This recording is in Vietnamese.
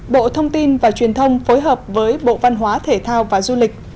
bộ thông tin và truyền thông phối hợp với bộ văn hóa thể thao và du lịch